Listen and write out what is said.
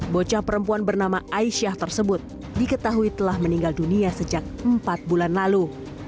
bocah perempuan bernama aisyah tersebut diketahui telah meninggal dunia sejak empat bulan lalu